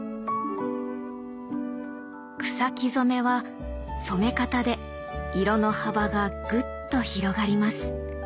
草木染めは染め方で色の幅がぐっと広がります。